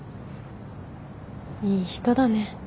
いい人だね。